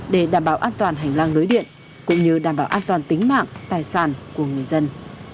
để đảm bảo an toàn hành lang lưới điện cũng như đảm bảo an toàn tính mạng tài sản của người dân